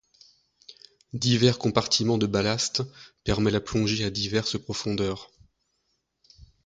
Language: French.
Divers compartiments de ballast permet la plongée à diverses profondeurs.